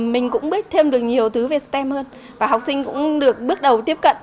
mình cũng biết thêm được nhiều thứ về stem hơn và học sinh cũng được bước đầu tiếp cận